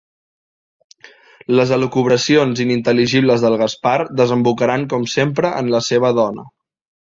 Les elucubracions inintel·ligibles del Gaspar desembocaran com sempre en la seva dona.